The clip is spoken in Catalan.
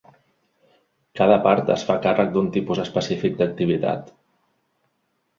Cada part es fa càrrec d'un tipus específic d'activitat.